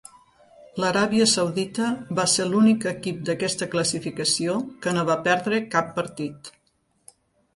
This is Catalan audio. L'Aràbia Saudita va ser l'únic equip d'aquesta classificació que no va perdre cap partit.